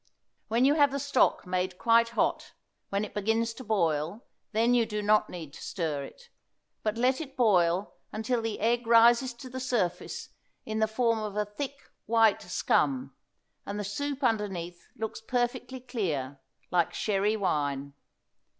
When you have the stock made quite hot, when it begins to boil, then you do not need to stir it; but let it boil until the egg rises to the surface in the form of a thick, white scum, and the soup underneath looks perfectly clear, like sherry wine.